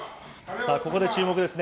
ここで注目ですね。